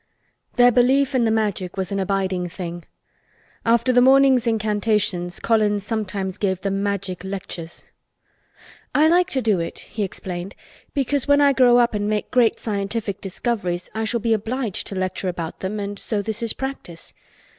Their belief in the Magic was an abiding thing. After the morning's incantations Colin sometimes gave them Magic lectures. "I like to do it," he explained, "because when I grow up and make great scientific discoveries I shall be obliged to lecture about them and so this is practise.